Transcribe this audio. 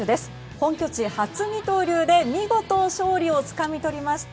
本拠地初二刀流で見事、勝利をつかみ取りました。